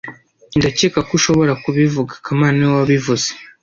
Ndakeka ko ushobora kubivuga kamana niwe wabivuze